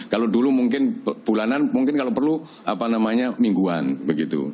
kalau dulu mungkin bulanan mungkin kalau perlu apa namanya mingguan begitu